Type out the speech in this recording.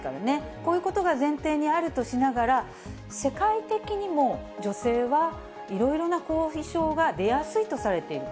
こういうことが前提にあるとしながら、世界的にも女性はいろいろな後遺症が出やすいとされている。